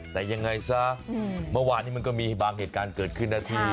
แต่ยังไงซะเมื่อวานนี้มันก็มีบางเหตุการณ์เกิดขึ้นนาที